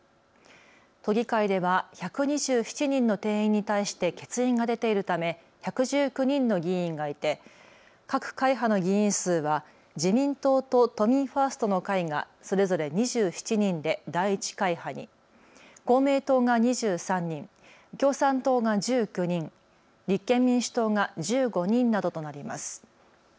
都議会では１２７人の定員に対して欠員が出ているため１１９人の議員がいて各会派の議員数は自民党と都民ファーストの会がそれぞれ２７人で第１会派に、公明党が２３人、共産党が１９人、立憲民主党が１５人などとなります。